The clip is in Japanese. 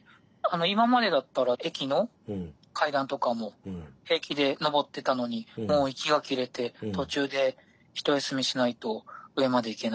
今までだったら駅の階段とかも平気で上ってたのにもう息が切れて途中で一休みしないと上まで行けないとか。